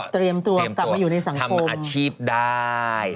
เตรียมตัวกลับมาอยู่ในสังคมทำอาชีพได้